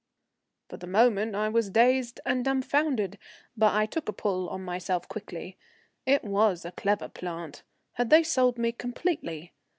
For the moment I was dazed and dumfounded, but I took a pull on myself quickly. It was a clever plant. Had they sold me completely?